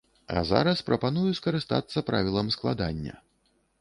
А зараз прапаную скарыстацца правілам складання.